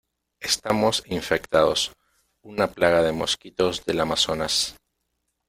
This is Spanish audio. estamos infectados. una plaga de mosquitos del Amazonas .